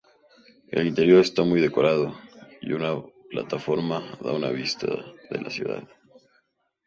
El interior está muy decorado, y una plataforma da una vista de la ciudad.